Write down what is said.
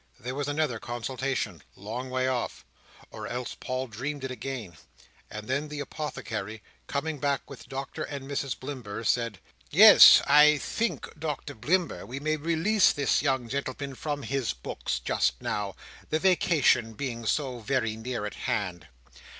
There was another consultation a long way off, or else Paul dreamed it again; and then the Apothecary, coming back with Doctor and Mrs Blimber, said: "Yes, I think, Doctor Blimber, we may release this young gentleman from his books just now; the vacation being so very near at hand."